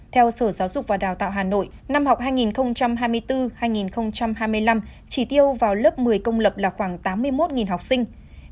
theo sở giáo dục và đào tạo hà nội năm học hai nghìn hai mươi bốn hai nghìn hai mươi năm chỉ tiêu vào lớp một mươi công lập là khoảng tám mươi một học sinh